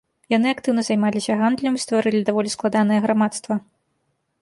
Яны актыўна займаліся гандлем і стварылі даволі складанае грамадства.